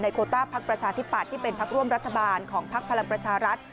โคต้าพักประชาธิปัตย์ที่เป็นพักร่วมรัฐบาลของพักพลังประชารัฐ